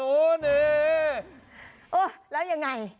โอ๊ะแล้วยังไง